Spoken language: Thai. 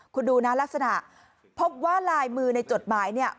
คุณดูนะลักษณะพบว่าลายมือในจดหมายเนี่ย